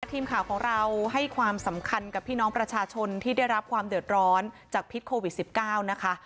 ทีมข่าวของเราให้ความสำคัญกับพี่น้องประชาชนที่ได้รับความเดือดร้อนจากพิษโควิด๑๙นะคะ